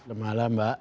selamat malam mbak